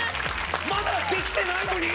まだできてないのに？